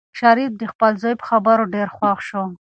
شریف د خپل زوی په خبرو ډېر خوښ شو.